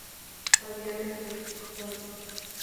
Aviones de pistón.